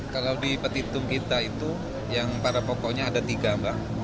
kalau di petitum kita itu yang pada pokoknya ada tiga mbak